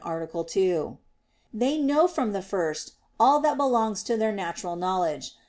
2), they know from the first all that belongs to their natural knowledge.